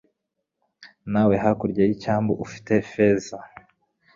Nawe, hakurya y'icyambu, ufite feza